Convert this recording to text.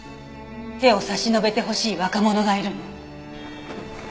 手を差し伸べてほしい若者がいるの。